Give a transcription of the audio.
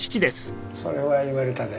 「それは言われたで」